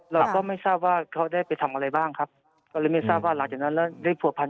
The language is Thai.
เราก็ไม่ทราบว่าเขาได้ไปทำอะไรบ้างครับก็เลยไม่ทราบว่าหลังจากนั้นแล้วได้ผัวพัน